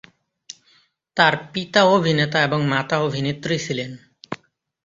তার পিতা অভিনেতা এবং মাতা অভিনেত্রী ছিলেন।